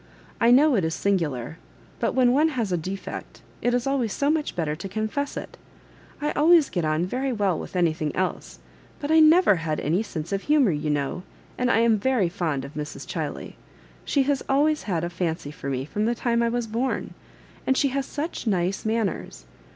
I know it is singular, but when one has a defect, it is always so much better to confess it. I always get on very well with anything else, but I never had any sense of humour, you know ; and I am very fond of Mrs. Chiley. She has always had a fUncy for me from the time I was borm and she has such nice manners.